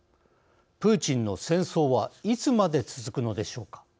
プーチンの戦争は、いつまで続くのでしょうか。